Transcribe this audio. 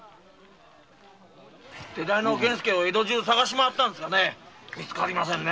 手代の源助を捜し回ったんですがね見つかりませんね。